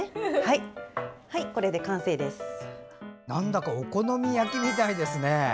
なんだかお好み焼きみたいですね。